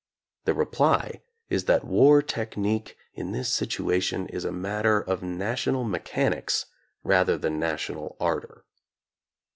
The reply is that war technique in this sit uation is a matter of national mechanics rather than national ardor.